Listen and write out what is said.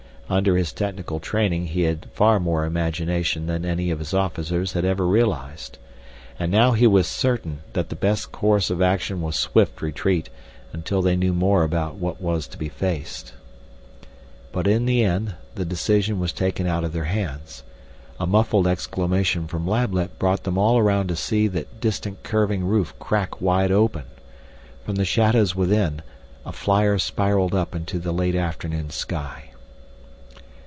Under his technical training he had far more imagination than any of his officers had ever realized. And now he was certain that the best course of action was swift retreat until they knew more about what was to be faced. But in the end the decision was taken out of their hands. A muffled exclamation from Lablet brought them all around to see that distant curving roof crack wide open. From the shadows within, a flyer spiraled up into the late afternoon sky.